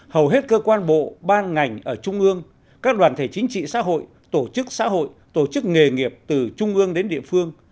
hầu hết cơ quan bộ ban ngành ở trung ương các đoàn thể chính trị xã hội tổ chức xã hội tổ chức nghề nghiệp từ trung ương đến địa phương